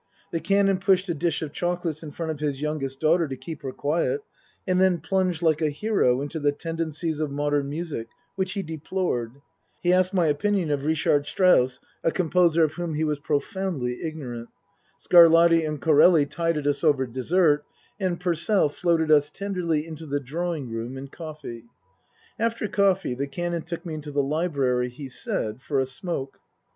The Canon pushed a dish of chocolates in front of his youngest daughter to keep her quiet, and then plunged like a hero into the tendencies of modern music, which he deplored. He asked my opinion of Richard Strauss, a Book I : My Book 97 composer of whom he was profoundly ignorant. Scarlatti and Corelli tided us over dessert, and Purcell floated us tenderly into the drawing room and coffee. After coffee the Canon took me into the library (he said) for a smoke.